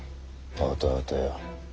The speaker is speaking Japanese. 弟よ。